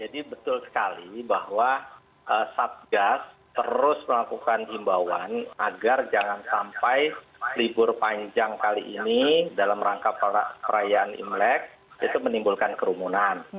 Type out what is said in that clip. jadi betul sekali bahwa satgas terus melakukan imbauan agar jangan sampai libur panjang kali ini dalam rangka perayaan imlek itu menimbulkan kerumunan